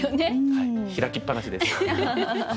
はい開きっぱなしです。